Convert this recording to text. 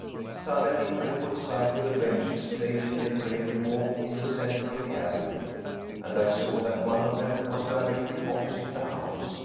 Suddenly I caught sight of the benches placed in the gravel walk in the cen ter of the avenue, and I saw that one of them was directly opposite the house.